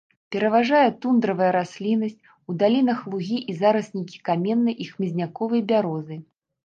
Пераважае тундравая расліннасць, у далінах лугі і зараснікі каменнай і хмызняковай бярозы.